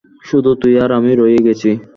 শুধু তুই আর আমি রয়ে গেছি।